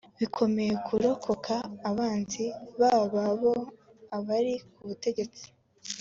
bikomeye kurokoka abanzi b’ababo abari ku butegetsi